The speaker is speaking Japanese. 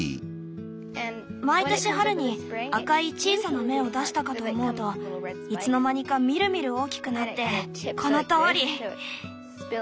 毎年春に赤い小さな芽を出したかと思うといつの間にかみるみる大きくなってこのとおり。